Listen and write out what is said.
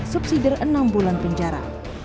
subsidi enam bulan penjara